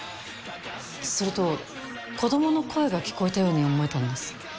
それと子供の声が聞こえたように思えたんです。